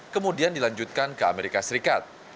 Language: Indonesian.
kemudian dilanjutkan ke amerika serikat